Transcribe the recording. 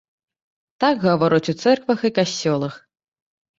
Так гавораць у цэрквах і касцёлах.